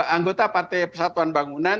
anggota partai persatuan bangunan